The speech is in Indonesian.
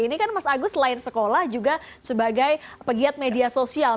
ini kan mas agus selain sekolah juga sebagai pegiat media sosial